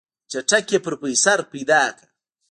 چټک پې پروفيسر پيدا که.